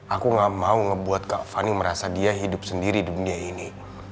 aku gak mau ngebuat kak fani merasa dia hidup sendiri di dunia ini